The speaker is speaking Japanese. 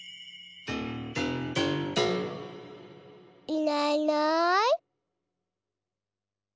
いないいない。